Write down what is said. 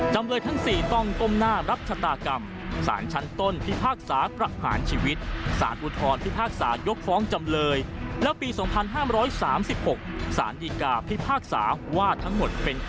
จำเลยทั้ง๔ต้องกรมหน้ารับชัตรากรรม